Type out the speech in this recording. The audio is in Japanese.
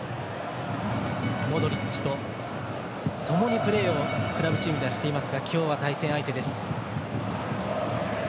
モドリッチと、ともにプレーをクラブチームではしていますが今日は対戦相手です。